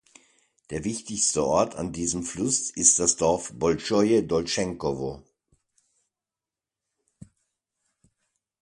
Der wichtigste Ort an diesem Fluss ist das Dorf Bolschoje Dolschenkowo.